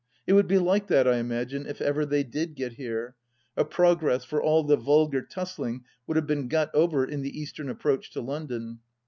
It would be like that, I imagine, if ever they did get here— a Progress, for all the vulgar tussling would have been got over in the Eastern approach to London.